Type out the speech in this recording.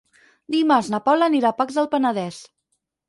Dimarts na Paula anirà a Pacs del Penedès.